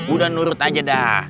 udah nurut aja dah